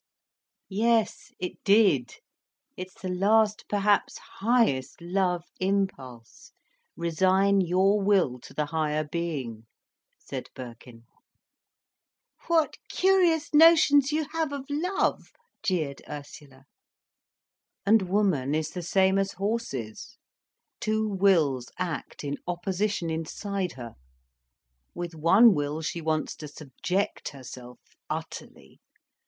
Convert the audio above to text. "Yes it did. It's the last, perhaps highest, love impulse: resign your will to the higher being," said Birkin. "What curious notions you have of love," jeered Ursula. "And woman is the same as horses: two wills act in opposition inside her. With one will, she wants to subject herself utterly.